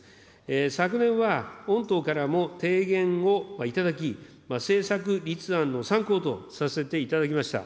昨年は、御党からも提言を頂き、政策立案の参考とさせていただきました。